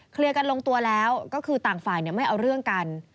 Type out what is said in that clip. กันลงตัวแล้วก็คือต่างฝ่ายไม่เอาเรื่องกัน